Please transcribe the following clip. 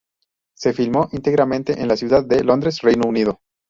Se filmó íntegramente en la ciudad de Londres, Reino Unido.